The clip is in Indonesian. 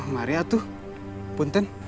mari atuh punten